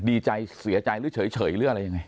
ดีใจเสียใจหรือเฉยหรืออะไรยังไง